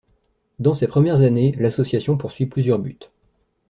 Dans ses premières années, l'association poursuit plusieurs buts.